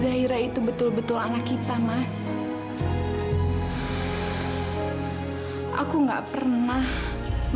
kalau kamu itu adalah anak haram